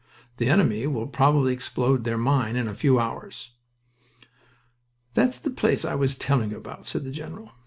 The enemy will probably explode their mine in a few hours." "That's the place I was telling you about," said the general.